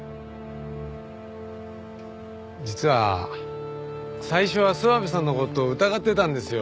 実は最初は諏訪部さんの事を疑ってたんですよ。